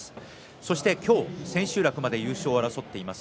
そして今日、千秋楽まで優勝を争っています